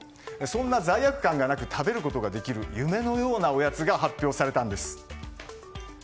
そんな罪悪感がなく食べることができる夢のようなおやつが発表されたんです。